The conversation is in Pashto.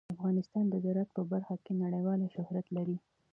افغانستان د زراعت په برخه کې نړیوال شهرت لري.